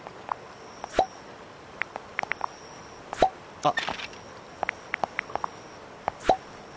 あっ。